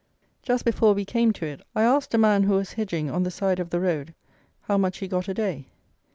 Just before we came to it I asked a man who was hedging on the side of the road how much he got a day.